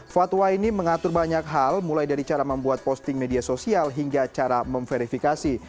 fatwa ini mengatur banyak hal mulai dari cara membuat posting media sosial hingga cara memverifikasi